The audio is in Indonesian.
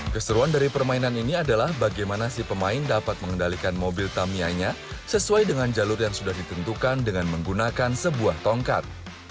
keseruan dari permainan ini adalah bagaimana si pemain dapat mengendalikan mobil tamianya sesuai dengan jalur yang sudah ditentukan dengan menggunakan sebuah tongkat